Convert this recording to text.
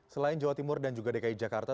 selain jawa timur dan juga dki jakarta